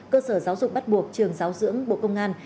cơ sở giáo dục bắt buộc trường giáo dưỡng bộ công an